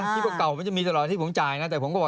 คิดว่าเก่ามันจะมีตลอดที่ผมจ่ายนะ